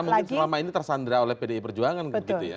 karena mungkin selama ini tersandra oleh pdi perjuangan gitu ya